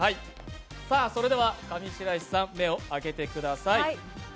それでは、上白石さん目を開けてください。